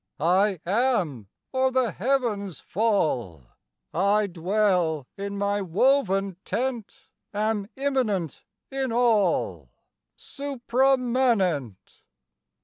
I am, or the heavens fall! I dwell in my woven tent, Am immanent in all, Suprámanent!